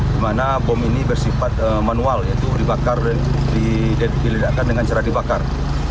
di mana bom ini bersifat manual yaitu dibakar dan diledakkan dengan cara dibakar